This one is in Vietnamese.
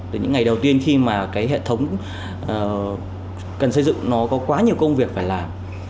từ những ngày đầu tiên khi mà cái hệ thống cần xây dựng nó có quá nhiều công việc phải làm